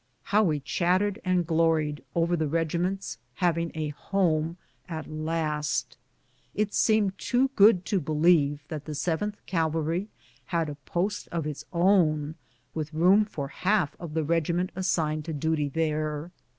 How we chattered and gloried over the regiment having a home at last. It seemed too good to believe that the 7th Cavalry had a post of its own, with room for the 5 98 BOOTS AND SADDLES. half of the regiment assigned to duty there.